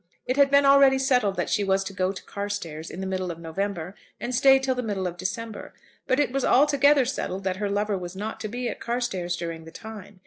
It had been already settled that she was to go to Carstairs in the middle of November and stay till the middle of December; but it was altogether settled that her lover was not to be at Carstairs during the time.